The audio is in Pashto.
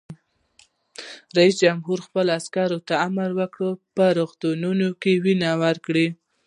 رئیس جمهور خپلو عسکرو ته امر وکړ؛ په روغتونونو کې وینه ورکړئ!